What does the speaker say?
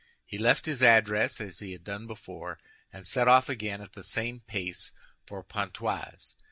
He left his address as he had done before, and set off again at the same pace for Pontoise.